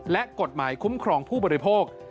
และกฎหมายคุ้มครองผู้บริโภค